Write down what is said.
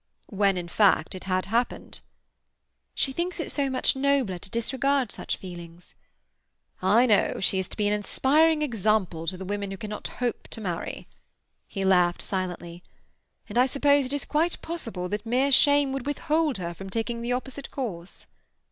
"When, in fact, it had happened?" "She thinks it so much nobler to disregard such feelings." "I know. She is to be an inspiring example to the women who cannot hope to marry." He laughed silently. "And I suppose it is quite possible that mere shame would withhold her from taking the opposite course."